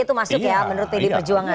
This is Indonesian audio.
itu masuk ya menurut pdi perjuangan